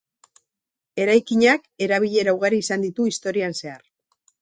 Eraikinak erabilera ugari izan ditu historian zehar.